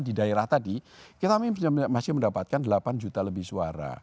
di daerah tadi kita masih mendapatkan delapan juta lebih suara